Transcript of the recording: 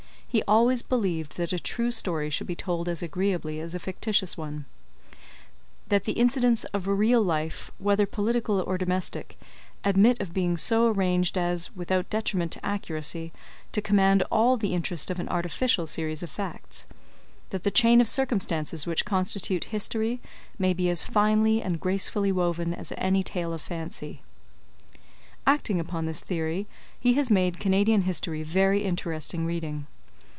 He always believed that a true story should be told as agreeably as a fictitious one; "that the incidents of real life, whether political or domestic, admit of being so arranged as, without detriment to accuracy, to command all the interest of an artificial series of facts; that the chain of circumstances which constitute history may be as finely and gracefully woven as any tale of fancy." Acting upon this theory, he has made Canadian history very interesting reading.